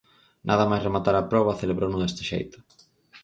Nada máis rematar a proba, celebrouno deste xeito.